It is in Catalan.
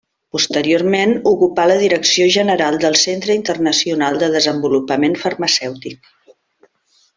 Posteriorment ocupà la direcció general del Centre Internacional de Desenvolupament Farmacèutic.